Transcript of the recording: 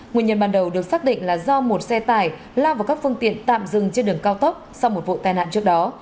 nguyên nhân ban đầu được xác định là do một xe tải lao vào các phương tiện tạm dừng trên đường cao tốc sau một vụ tai nạn trước đó